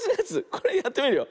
これやってみるよ。